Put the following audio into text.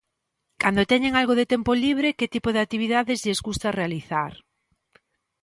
Cando teñen algo de tempo libre, que tipo de actividades lles gusta realizar?